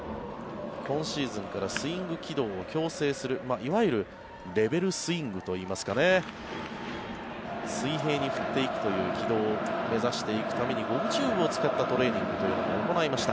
今シーズンからスイング軌道を矯正するいわゆるレベルスイングといいますか水平に振っていくという軌道を目指していくためにゴムチューブを使ったトレーニングというのも行いました。